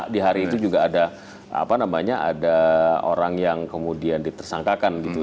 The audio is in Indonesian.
di hari itu juga ada apa namanya ada orang yang kemudian ditersangkakan gitu